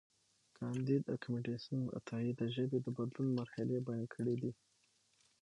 کانديد اکاډميسن عطايي د ژبې د بدلون مرحلې بیان کړې دي.